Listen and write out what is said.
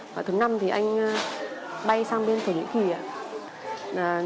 và thứ năm thì anh bay sang bên thổ nhĩ kỳ